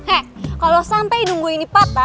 eh kalo sampe hidung gua ini patah